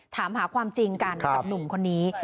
ถามหาความจริงกันกับหนุ่มคนนี้